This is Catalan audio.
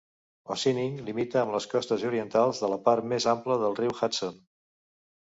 Ossining limita amb les costes orientals de la part més ampla del riu Hudson.